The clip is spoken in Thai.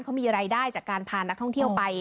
เขามีรายได้จากการพานักท่องเที่ยวไป